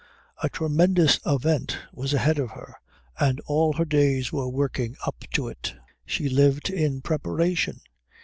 A tremendous event was ahead of her, and all her days were working up to it. She lived in preparation.